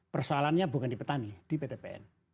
persoalannya bukan di petani di ptpn